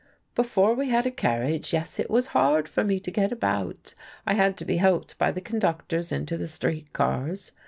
"Before we had a carriage, yes, it was hard for me to get about. I had to be helped by the conductors into the streetcars.